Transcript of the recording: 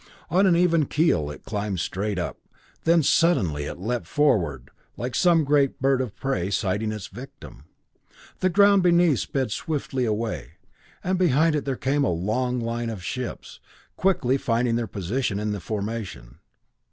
On an even keel it climbed straight up, then suddenly it leaped forward like some great bird of prey sighting its victim. The ground beneath sped swiftly away, and behind it there came a long line of ships, quickly finding their position in the formation.